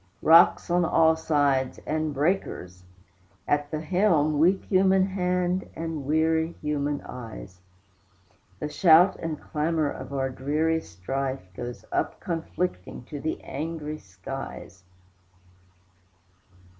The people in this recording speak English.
Rocks on all sides, and breakers! at the helm Weak human hand and weary human eyes. The shout and clamor of our dreary strife Goes up conflicting to the angry skies.